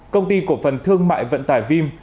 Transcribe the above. công ty của phần thương mại vận tải vim